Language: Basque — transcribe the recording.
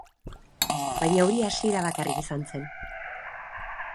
Baina hori hasiera bakarrik izan zen.